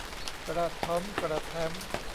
กระท้อมกระแท้ม